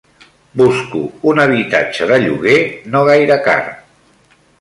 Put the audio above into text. Busco un habitatge de lloguer no gaire car.